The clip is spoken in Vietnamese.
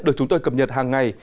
được chúng tôi cập nhật hàng ngày